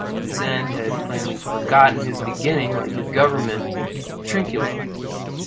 His end had plainly forgotten his beginning, like the government of Trinculo.